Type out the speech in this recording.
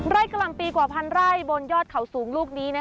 กะหล่ำปีกว่าพันไร่บนยอดเขาสูงลูกนี้